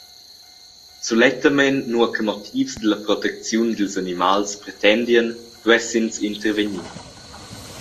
Sulettamein nua che motivs dalla protecziun dils animals pretendien, duessien ins intervegnir.